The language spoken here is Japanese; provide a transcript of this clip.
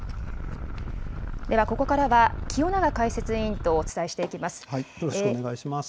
ではここからは、清永解説委員とよろしくお願いします。